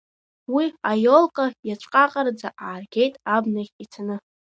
Уи аиолка иаҵәҟаҟара ааргеит абнахь ицаны.